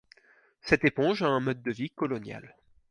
Cette éponge a un mode de vie colonial.